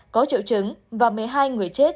có triệu chứng và một mươi hai người chết